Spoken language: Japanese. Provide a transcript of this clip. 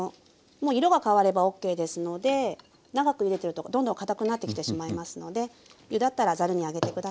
もう色が変わればオッケーですので長くゆでてるとどんどんかたくなってきてしまいますのでゆだったらざるにあげて下さい。